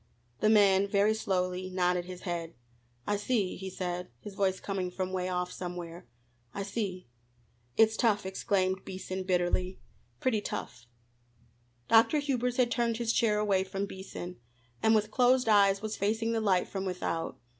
The man very slowly nodded his head. "I see," he said, his voice coming from 'way off somewhere, "I see." "It's tough!" exclaimed Beason bitterly "pretty tough!" Dr. Hubers had turned his chair away from Beason, and with closed eyes was facing the light from without.